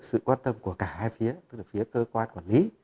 sự quan tâm của cả hai phía tức là phía cơ quan quản lý